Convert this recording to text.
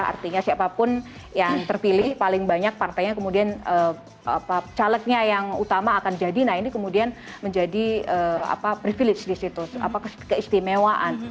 artinya siapapun yang terpilih paling banyak partainya kemudian calegnya yang utama akan jadi nah ini kemudian menjadi privilege di situ keistimewaan